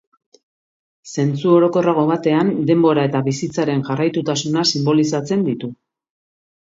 Zentzu orokorrago batean denbora eta bizitzaren jarraitutasuna sinbolizatzen ditu.